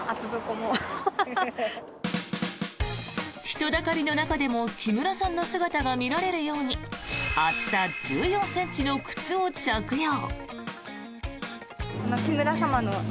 人だかりの中でも木村さんの姿が見られるように厚さ１４ｃｍの靴を着用。